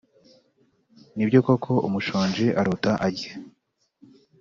nibyo koko umushonji arota arya